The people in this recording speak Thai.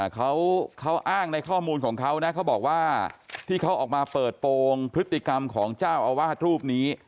เขาอ้างในข้อมูลของเขานะเขาบอกว่าที่เขาออกมาเปิดโปรงพฤติกรรมของเจ้าอาวาสรูปนี้